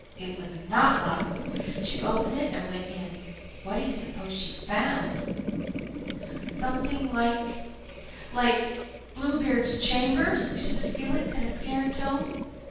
It was NOT locked. She opened it and went in. What do you suppose she found?" "Something like like Bluebeard's chamber?" suggested Felix in a scared tone.